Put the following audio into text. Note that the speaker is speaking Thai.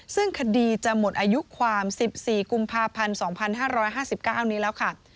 ซึ่งคดีจะหมดอายุความ๑๔กุมภาพันธ์๒๕๕๙นี้แล้วค่ะ